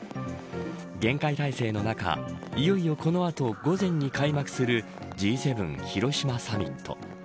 厳戒態勢の中いよいよこの後、午前に開幕するＧ７広島サミット。